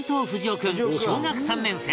お君小学３年生